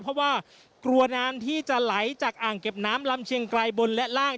เพราะว่ากลัวน้ำที่จะไหลจากอ่างเก็บน้ำลำเชียงไกลบนและล่าง